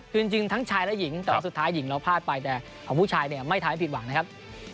คือจริงทั้งชายและหญิงแต่ว่าสุดท้ายหญิงเราพลาดไปแต่ของผู้ชายเนี่ยไม่ทำให้ผิดหวังนะครับ